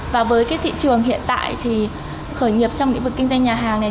và với cái thị trường hiện tại thì khởi nghiệp trong lĩnh vực kinh doanh nhà hàng này